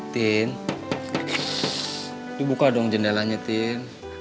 tin buka dong jendelanya tin